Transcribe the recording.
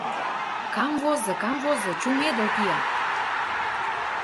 — Камвозо, камвозо, чумедыл кия.